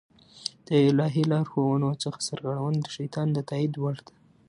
د الهي لارښوونو څخه سرغړونه د شيطان د تائيد وړ ده